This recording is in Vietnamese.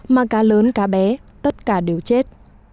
mà cá lớn cá bé tất cả đều chết